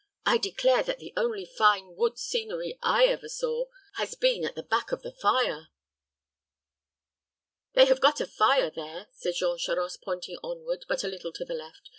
"I declare that the only fine wood scenery I ever saw has been at the back of the fire." "They have got a fire there," said Jean Charost, pointing onward, but a little to the left.